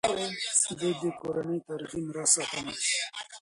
ده د کورنۍ تاریخي میراث ساتنه کوي.